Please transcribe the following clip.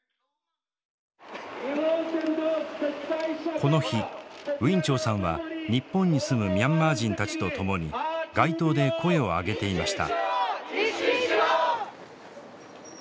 この日ウィン・チョウさんは日本に住むミャンマー人たちと共に街頭で声を上げていました。